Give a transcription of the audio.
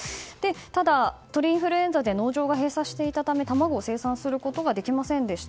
ただ、鳥インフルエンザで農場が閉鎖していたため卵を生産することができませんでした。